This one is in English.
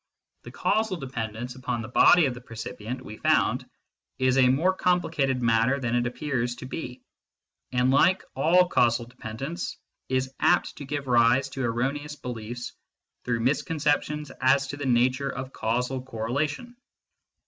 The causal dependence upon the body of the percipient, we found, is a more complicated matter than it appears to be, and, like all causal depend ence, is apt to give rise to erroneous beliefs through mis conceptions as to the nature of causal correlation.